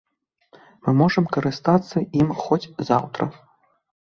Мы можам карыстацца ім хоць заўтра.